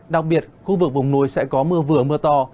đặc biệt khu vực vùng núi sẽ có mưa vừa mưa to